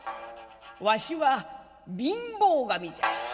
わしは貧乏神じゃ。